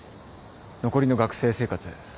残りの学生生活